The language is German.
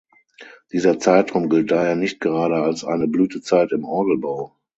Dieser Zeitraum gilt daher nicht gerade als eine Blütezeit im Orgelbau.